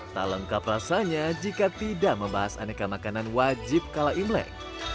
tak lengkap rasanya jika tidak membahas aneka makanan wajib kala imlek